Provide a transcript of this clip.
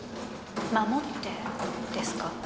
「守って」ですか？